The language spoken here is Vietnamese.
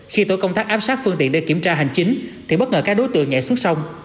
khi tổ công tác áp sát phương tiện để kiểm tra hành chính thì bất ngờ các đối tượng nhảy xuống sông